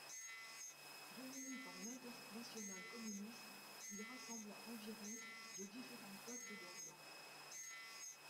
Réuni par l'Internationale communiste, il rassembla environ de différents peuples d'Orient.